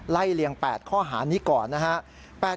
เลียง๘ข้อหานี้ก่อนนะครับ